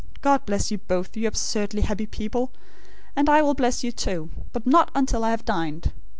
God bless you both, you absurdly happy people; and I will bless you, too; but not until I have dined.